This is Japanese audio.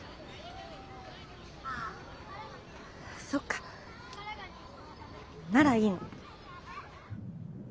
そっかならいいの。